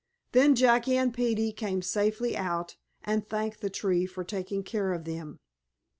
Then Jackie and Peetie came safely out, and thanked the tree for taking care of them.